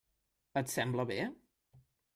Et sembla bé?